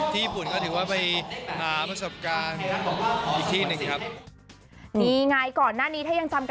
ญี่ปุ่นก็ถือว่าไปหาประสบการณ์อีกที่หนึ่งสิครับ